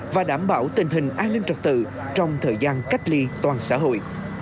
và đảm bảo tình hình an ninh trật tự trong thời gian cách ly toàn xã hội